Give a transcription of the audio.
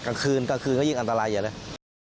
กลางคืนกลางคืนก็ยิ่งอันตรายอย่างเงี้ย